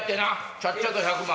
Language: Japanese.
ちゃっちゃと１００万。